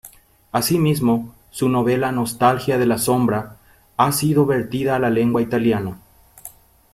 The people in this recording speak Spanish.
Asimismo, su novela Nostalgia de la sombra, ha sido vertida a la lengua italiana.